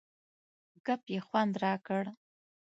ګپ یې خوند را کړ.